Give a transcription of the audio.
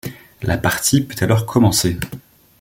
La partie peut alors commencer.